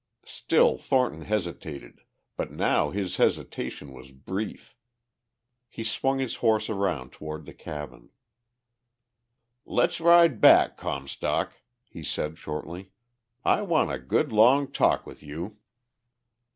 Still Thornton hesitated, but now his hesitation was brief. He swung his horse around toward the cabin. "Let's ride back, Comstock," he said shortly. "I want a good long talk with you."